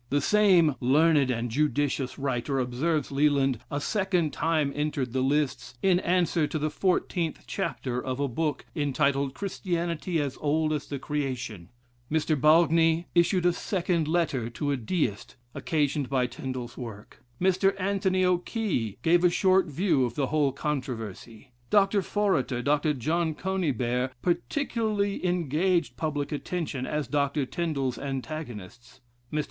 "The same learned and judicious writer," observes Leland, a second time entered the lists, in "answer to the fourteenth chapter of a book, entitled 'Christianity as Old as the Creation.'" Mr. Balgny issued a "Second Letter to a Deist," occasioned by Tindal's work. Mr. Anthony O'Key gave a short view of the whole controversy. Dr. Foreter, Dr. John Conybeare, "particularly engaged public attention" as Dr. Tindal's antagonists. Mr.